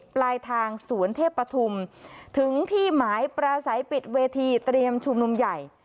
ปลายทางสวนเทพปฐุมถึงที่หมายปราศัยปิดเวทีเตรียมชุมนุมใหญ่